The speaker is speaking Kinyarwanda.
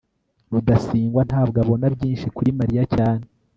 rudasingwa ntabwo abona byinshi kuri mariya cyane